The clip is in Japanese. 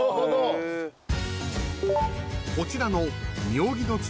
［こちらの］